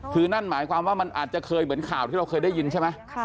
คือนั่นหมายความว่ามันอาจจะเคยเหมือนข่าวที่เราเคยได้ยินใช่ไหม